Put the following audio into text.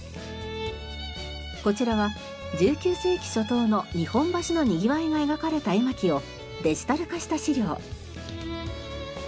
こちらは１９世紀初頭の日本橋のにぎわいが描かれた絵巻をデジタル化した資料。